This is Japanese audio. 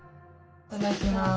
いただきます。